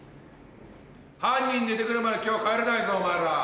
犯人出て来るまで今日は帰れないぞお前ら。